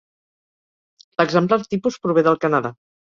L'exemplar tipus prové del Canadà.